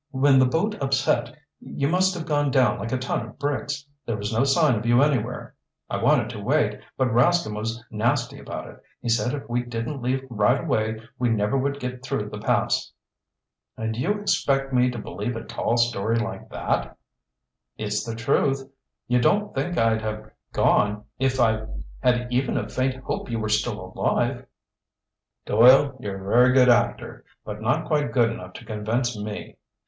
"When the boat upset you must have gone down like a ton of bricks. There was no sign of you anywhere. I wanted to wait but Rascomb was nasty about it. He said if we didn't leave right away we never would get through the pass." "And you expect me to believe a tall story like that?" "It's the truth. You don't think I'd have gone if I'd had even a faint hope you were still alive?" "Doyle, you're a very good actor, but not quite good enough to convince me.